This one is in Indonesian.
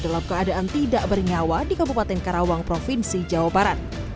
dalam keadaan tidak bernyawa di kabupaten karawang provinsi jawa barat